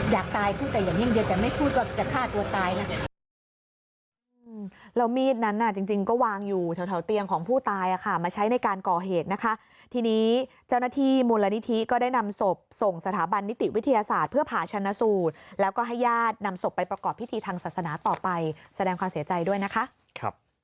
อยากตายพูดกันอย่างเงียงเดียวแต่ไม่พูดก็จะฆ่าตัวตายนะ